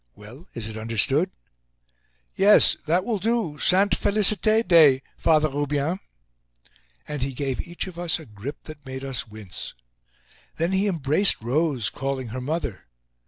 Well? Is it understood?" "Yes, that will do—Sainte Felicite day. Father Roubien." And he gave each of us a grip that made us wince. Then he embraced Rose, calling her mother.